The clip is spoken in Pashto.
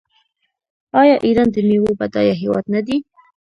آیا ایران د میوو بډایه هیواد نه دی؟